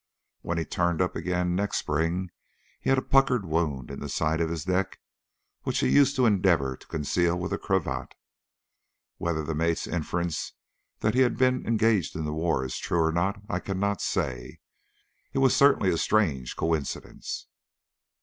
When he turned up again next spring he had a puckered wound in the side of his neck which he used to endeavour to conceal with his cravat. Whether the mate's inference that he had been engaged in the war is true or not I cannot say. It was certainly a strange coincidence.